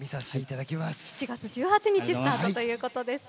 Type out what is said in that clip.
７月１８日スタートということです。